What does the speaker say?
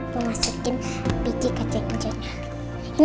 memasukkan biji kacang hijaunya